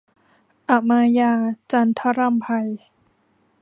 อมาญาส์ - จันทรำไพ